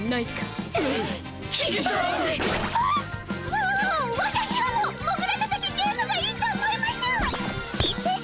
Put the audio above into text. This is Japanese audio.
わたひはももぐらたたきゲームがいいと思いまひゅ！